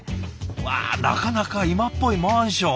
わあなかなか今っぽいマンション。